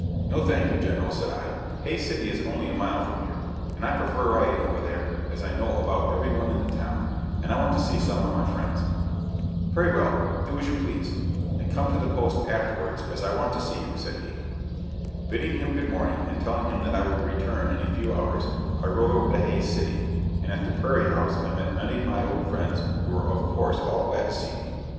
"No, thank you, General," said I, "Hays City is only a mile from here, and I prefer riding over there, as I know about every one in the town, and want to see some of my friends." "Very well; do as you please, and come to the post afterwards as I want to see you," said he. Bidding him good morning, and telling him that I would return in a few hours, I rode over to Hays City, and at the Perry House I met many of my old friends who were of course all glad to see me.